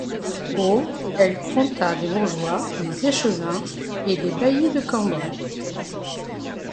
Au elle compta des bourgeois, des échevins et des baillis de Cambrai.